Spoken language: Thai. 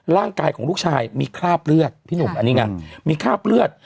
ร่างกายของลูกชายมีคราบเลือดพี่หนุ่มอันนี้ไงมีคราบเลือด